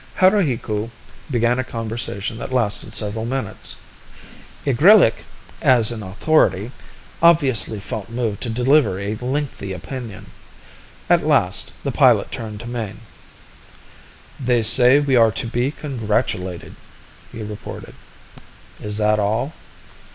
Haruhiku began a conversation that lasted several minutes. Igrillik, as an authority, obviously felt moved to deliver a lengthy opinion. At last, the pilot turned to Mayne. "They say we are to be congratulated," he reported. "Is that all?"